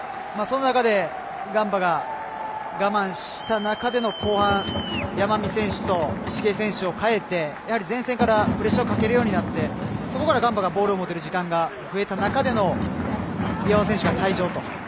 その中でガンバが我慢した中での後半、山見選手と石毛選手を代えて前線からプレッシャーをかけるようになってそこからガンバがボールを持てる時間が増えた中での岩尾選手が退場と。